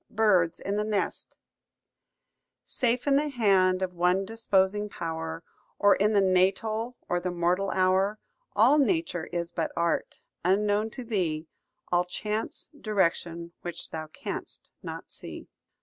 BIRDS IN THE NEST "Safe in the hand of one disposing pow'r, Or in the natal, or the mortal hour, All Nature is but art, unknown to thee; All chance, direction, which thou canst not see."